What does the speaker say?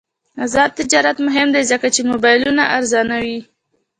آزاد تجارت مهم دی ځکه چې موبایلونه ارزانوي.